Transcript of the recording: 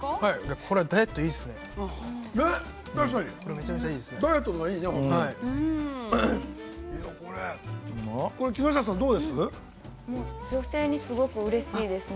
◆これダイエットにいいですね。